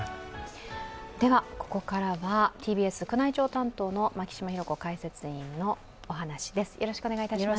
ここからはＴＢＳ宮内庁担当の牧嶋博子解説委員のお話です。